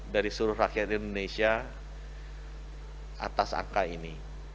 dari seluruh rakyat indonesia atas angka ini